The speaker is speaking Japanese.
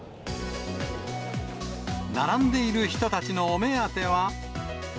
並んでいる人たちのお目当ては。